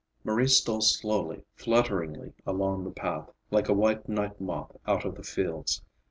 Marie stole slowly, flutteringly, along the path, like a white night moth out of the fields.